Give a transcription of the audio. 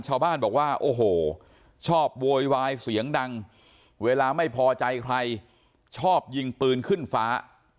ชาวบ้านบอกว่าโอ้โหชอบโวยวายเสียงดังเวลาไม่พอใจใครชอบยิงปืนขึ้นฟ้า